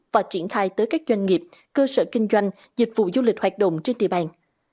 và triển khai tới các doanh nghiệp cơ sở kinh doanh dịch vụ du lịch hoạt động trên địa bàn